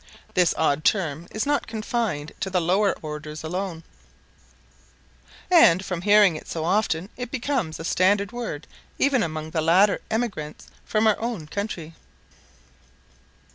This odd term is not confined to the lower orders alone, and, from hearing it so often, it becomes a standard word even among the later emigrants from our own country.